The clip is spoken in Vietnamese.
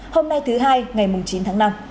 hôm nay thứ hai ngày chín tháng năm